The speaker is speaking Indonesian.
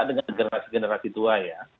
dengan generasi generasi tua ya